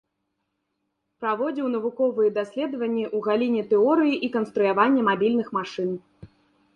Праводзіў навуковыя даследаванні ў галіне тэорыі і канструявання мабільных машын.